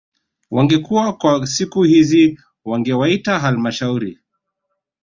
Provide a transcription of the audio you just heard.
Wangekuwa kwa siku hizi wangewaita halmashauri